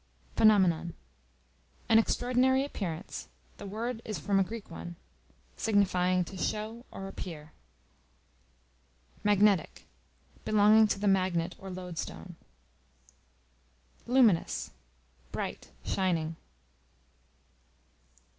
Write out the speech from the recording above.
Phenomenon, an extraordinary appearance. The word is from a Greek one, signifying, to show or appear. Magnetic, belonging to the magnet, or loadstone. Luminous, bright, shining.